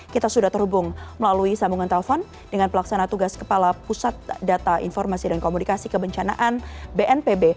kita sudah terhubung melalui sambungan telepon dengan pelaksana tugas kepala pusat data informasi dan komunikasi kebencanaan bnpb